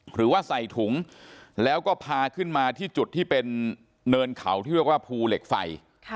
หรือว่าใส่ถุงแล้วก็พาขึ้นมาที่จุดที่เป็นเนินเขาที่เรียกว่าภูเหล็กไฟ